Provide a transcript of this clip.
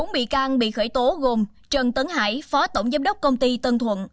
bốn bị can bị khởi tố gồm trần tấn hải phó tổng giám đốc công ty tân thuận